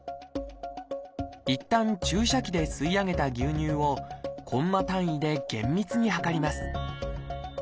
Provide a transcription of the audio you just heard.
いったん注射器で吸い上げた牛乳をコンマ単位で厳密に量ります。